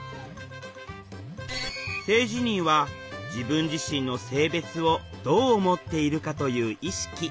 「性自認」は自分自身の性別をどう思っているかという意識。